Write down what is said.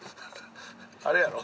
あれやろ？